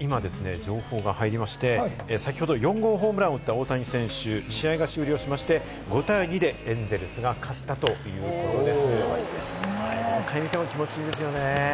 今ですね、情報が入りまして、先ほど４号ホームランを打った大谷選手、試合が終了しまして、５対２でエンゼルスが勝ったということです。